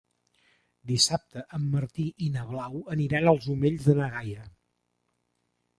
Dissabte en Martí i na Blau aniran als Omells de na Gaia.